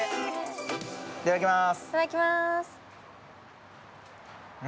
いただきまーす。